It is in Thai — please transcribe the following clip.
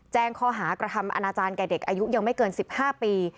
แจ้งข้อหากระทำอนาจารย์แก่เด็กอายุยังไม่เกิน๑๕ปี